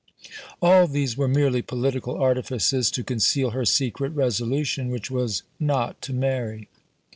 All these were merely political artifices, to conceal her secret resolution, which was, not to marry.